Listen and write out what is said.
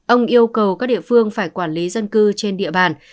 ông yêu cầu các địa phương phải quản lý dân cư trên địa bàn